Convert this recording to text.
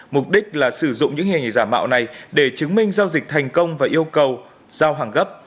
mục đích là sử dụng những hình giả mạo này để chứng minh giao dịch thành công và yêu cầu giao hàng gấp